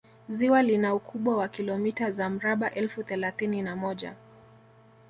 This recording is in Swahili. ziwa lina ukubwa wa kilomita za mraba elfu thelathini na moja